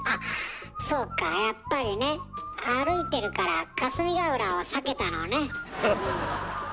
そうかやっぱりね歩いてるから霞ヶ浦を避けたのねうん。